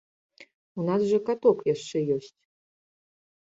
У нас жа каток яшчэ ёсць!